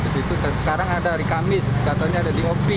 sekarang ada di kamis katanya ada di op